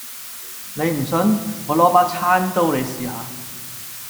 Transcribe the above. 你唔信，我攞把餐刀你試下